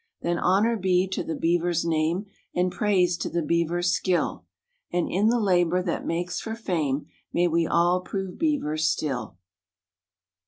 Then honor be to the beaver's name, And praise to the beaver's skill, And in the labor that makes for fame May we all prove beavers still.